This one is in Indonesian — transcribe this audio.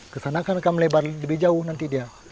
kesana kan akan melebar lebih jauh nanti dia